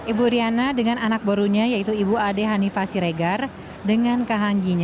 ibu riana dengan anak barunya yaitu ibu ade hanifah siregar dengan kahangginya